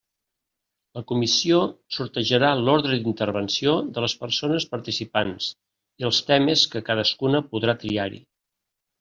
La comissió sortejarà l'ordre d'intervenció de les persones participants i els temes que cadascuna podrà triar-hi.